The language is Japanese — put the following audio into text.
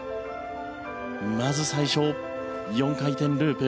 まず最初４回転ループ。